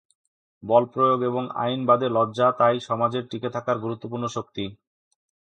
বলপ্রয়োগ এবং আইন বাদে লজ্জা তাই সমাজের টিকে থাকার গুরুত্বপূর্ণ শক্তি।